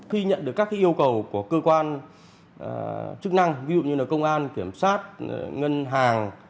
khi nhận được các yêu cầu của cơ quan chức năng ví dụ như là công an kiểm sát ngân hàng